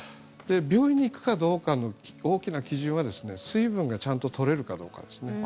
病院に行くかどうかの大きな基準は水分がちゃんと取れるかどうかですね。